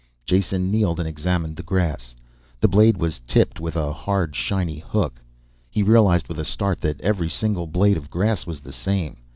Jason kneeled and examined the grass. The blade was tipped with a hard, shiny hook. He realized with a start that every single blade of grass was the same.